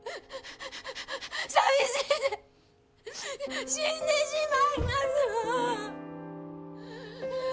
寂しいて死んでしまいますわ！